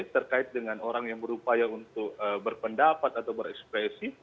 terkait dengan orang yang berupaya untuk berpendapat atau berekspresi